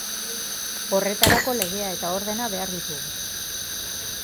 Horretarako legea eta ordena behar ditugu.